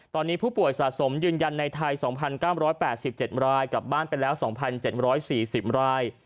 ตอนนี้ผู้ป่วยสะสมยืนยันในไทย๒๙๘๗รายกลับบ้านไปแล้ว๒๗๔๐ราย